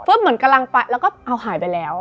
เหมือนกำลังไปแล้วก็เอาหายไปแล้ว